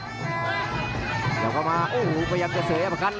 อื้อหือจังหวะขวางแล้วพยายามจะเล่นงานด้วยซอกแต่วงใน